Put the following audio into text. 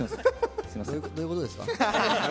どういうことですか。